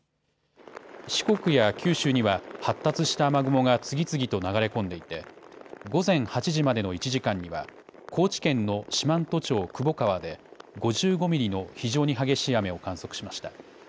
四国や九州には発達した雨雲が次々と流れ込んでいて午前８時までの１時間には高知県の四万十町窪川で５５ミリの非常に激しい雨を観測しました。